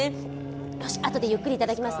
よし、あとでゆっくりいただきます